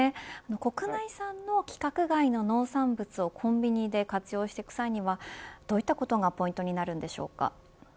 国内産の規格外の農産物をコンビニで活用していく際にはどういったことがポイントになるでしょうか。